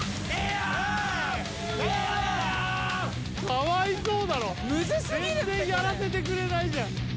かわいそうだろムズすぎるってこれ全然やらせてくれないじゃん